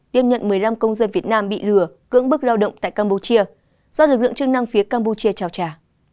tiếp nhận một mươi năm công dân việt nam bị lừa cưỡng bức lao động tại campuchia do lực lượng chức năng phía campuchia trao trả